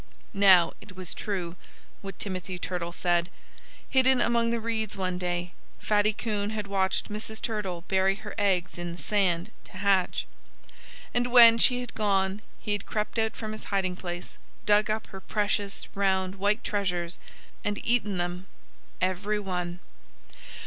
Now, it was true what Timothy Turtle said. Hidden among the reeds one day, Fatty Coon had watched Mrs. Turtle bury her eggs in the sand, to hatch. And when she had gone he had crept out from his hiding place, dug up her precious, round, white treasures, and eaten them, every one.